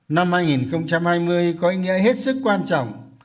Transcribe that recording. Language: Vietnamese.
năm hai nghìn hai mươi có ý nghĩa hết sức quan trọng